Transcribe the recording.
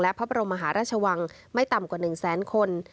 พระบรมมหาราชวังไม่ต่ำกว่า๑แสนคน